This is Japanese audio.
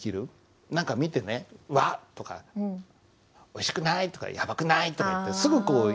何か見てね「わっ」とか「おいしくない」とか「やばくない」とか言ってすぐこう言える。